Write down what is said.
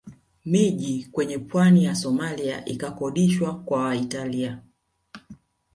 Miji kwenye pwani ya Somalia ikakodishwa kwa Italia